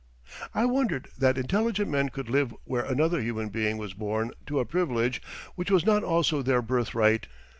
I wondered that intelligent men could live where another human being was born to a privilege which was not also their birthright.